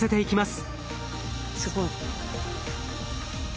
すごい。